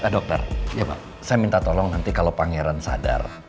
dokter saya minta tolong nanti kalau pangeran sadar